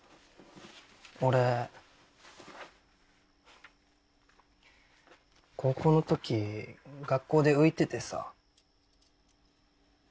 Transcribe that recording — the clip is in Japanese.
俺高校のとき学校で浮いててさ。